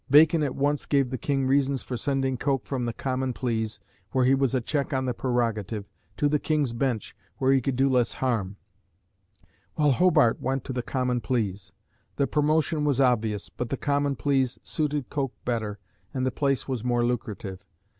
Bacon at once gave the King reasons for sending Coke from the Common Pleas where he was a check on the prerogative to the King's Bench, where he could do less harm; while Hobart went to the Common Pleas. The promotion was obvious, but the Common Pleas suited Coke better, and the place was more lucrative.